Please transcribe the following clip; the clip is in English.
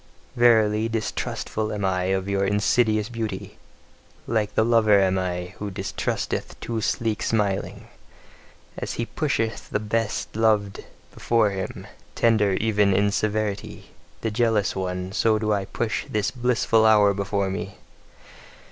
Verily, distrustful am I of your insidious beauty! Like the lover am I, who distrusteth too sleek smiling. As he pusheth the best beloved before him tender even in severity, the jealous one , so do I push this blissful hour before me.